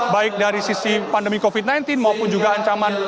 baik dari sisi pandemi covid sembilan belas maupun juga ancaman